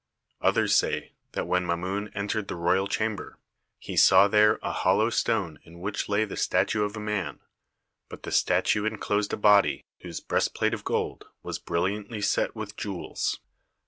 Others say that when Mamun entered the royal chamber, 'he saw there a hollow stone in which lay the statue of a man, but the statue enclosed a body whose breastplate of gold was brilliantly set with jewels.